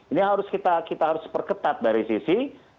ini harus kita harus perketat dari sisi